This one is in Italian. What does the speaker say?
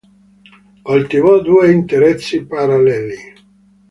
Coltivò due interessi paralleli.